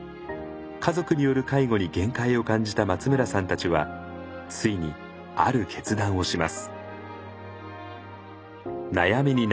家族による介護に限界を感じた松村さんたちはついにある決断をします。